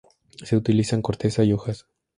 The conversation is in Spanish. Se utilizan: corteza y hojas.